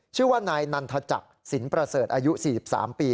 ชื่อว่านายนันทจักรสินประเสริฐอายุ๔๓ปี